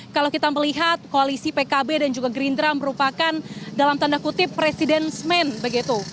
kalau kita melihat koalisi pkb dan juga gerindra merupakan dalam tanda kutip presiden semen begitu